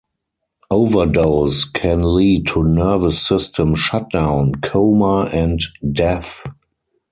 Overdose can lead to nervous system shutdown, coma and death.